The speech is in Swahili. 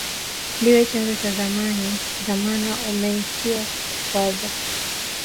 Ndiwe chanzo cha zahama, umewaitia vikwazo,